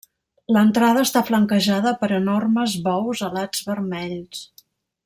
L'entrada està flanquejada per enormes bous alats vermells.